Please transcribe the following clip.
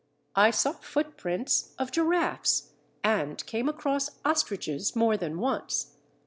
I saw footprints of giraffes, and came across ostriches more than once.